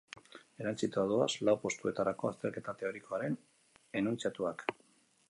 Erantsita doaz lau postuetarako azterketa teorikoaren enuntziatuak.